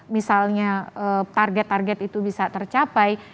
misalnya target target itu bisa tercapai